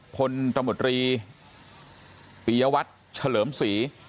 พลตรมดรีปียวัตต์เฉลิมศรี